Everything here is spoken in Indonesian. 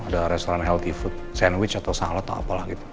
ada restoran healthy food sandwich atau salad atau apalah gitu